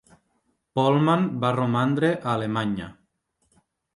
Pohlmann va romandre a Alemanya.